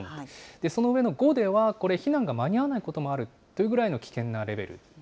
その上の５では、これ、避難が間に合わないこともあるっていうぐらいの危険なレベル。